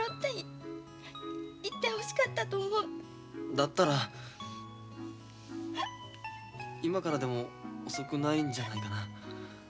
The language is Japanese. だったら今からでも遅くないんじゃないかな。